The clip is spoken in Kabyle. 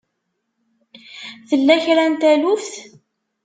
Tella kra n taluft?